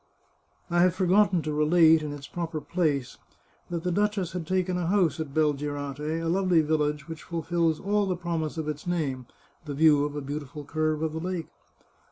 I have forgotten to relate, in its proper place, that the duchess had taken a house at Belgirate, a lovely village which fulfils all the promise of its name (the view of a beau tiful curve of the lake).